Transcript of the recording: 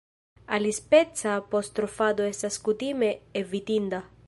Alispeca apostrofado estas kutime evitinda.